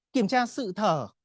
kiểm tra sự thở